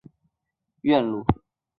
西到托特纳姆法院路。